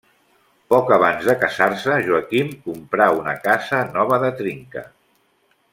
Poc abans de casar-se, Joaquim comprà una casa nova de trinca.